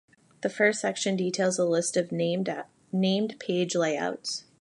The first section details a list of named page layouts.